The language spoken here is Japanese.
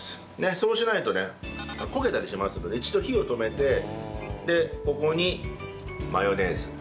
そうしないとね焦げたりしますので一度火を止めてここにマヨネーズ。